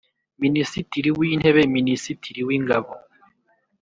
Minisitiri w Intebe Minisitiri w Ingabo